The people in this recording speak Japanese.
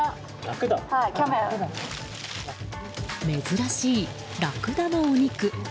珍しいラクダのお肉。